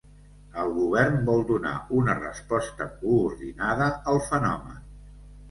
El Govern vol donar una resposta coordinada al fenomen.